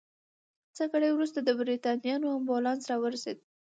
څه ګړی وروسته د بریتانویانو امبولانس راورسېد.